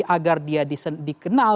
agar dia dikenal